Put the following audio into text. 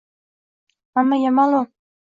Hammaga maʼlum